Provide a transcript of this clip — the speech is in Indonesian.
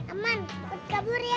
aman cepet kabur ya